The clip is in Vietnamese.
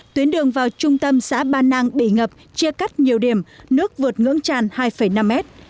tuyến đường vào trung tâm xã ba nang bị ngập chia cắt nhiều điểm nước vượt ngưỡng tràn hai năm mét